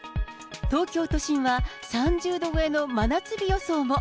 東京都心は３０度超えの真夏日予想も。